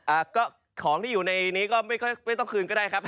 อ่าก็ของที่อยู่ในนี้ก็ไม่ค่อยไม่ต้องคืนก็ได้ครับ